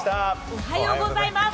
おはようございます！